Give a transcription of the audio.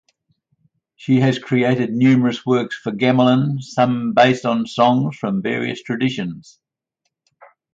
She has created numerous works for gamelan, some based on songs from various traditions.